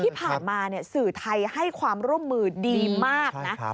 ที่ผ่านมาสื่อไทยให้ความร่วมมือดีมากนะ